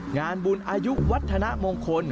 งานบุญอายุวัฒนมงคล